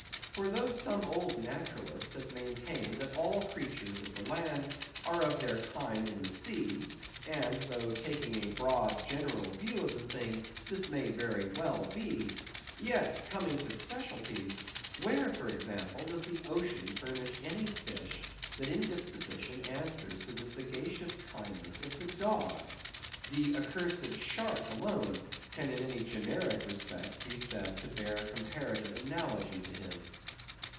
For though some old naturalists have maintained that all creatures of the land are of their kind in the sea; and though taking a broad general view of the thing, this may very well be; yet coming to specialties, where, for example, does the ocean furnish any fish that in disposition answers to the sagacious kindness of the dog? The accursed shark alone can in any generic respect be said to bear comparative analogy to him.